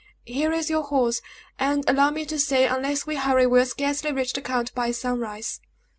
Here is your horse; and allow me to say, unless we hurry we will scarcely reach the count by sunrise."